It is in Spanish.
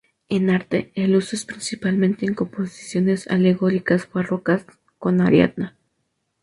En arte el uso es principalmente en composiciones alegóricas Barrocas, con Ariadna.